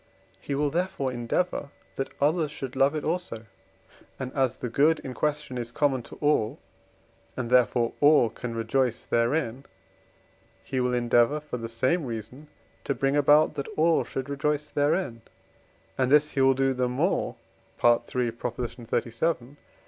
he will therefore endeavour that others should love it also; and as the good in question is common to all, and therefore all can rejoice therein, he will endeavour, for the same reason, to bring about that all should rejoice therein, and this he will do the more (III. xxxvii.)